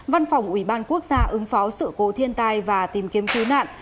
văn phòng ủy ban quốc gia ứng phó sự cố thiên tai và tìm kiếm cứu nạn